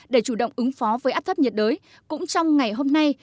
để chủ động ứng phó với áp thấp nhiệt đới cũng trong ngày hôm nay